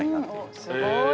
すごい。